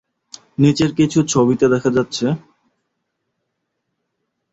নিচের কিছু ছবিতে দেখা যাচ্ছে।